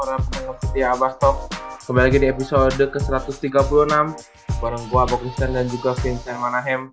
eh preview ya berarti ya